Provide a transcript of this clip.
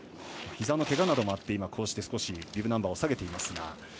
ひざのけがなどもあってビブナンバーを下げています。